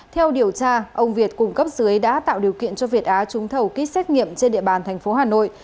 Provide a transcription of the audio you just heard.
theo điều tra ông việt cùng cấp dưới đã tạo điều kiện cho việt á trúng thầu ký xét nghiệm trên địa bàn tp hà nội